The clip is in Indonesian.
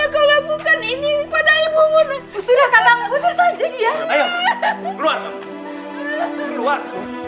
keluar keluar keluar